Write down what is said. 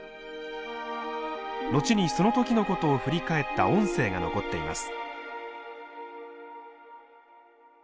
後にその時のことを振り返った音声が残っています。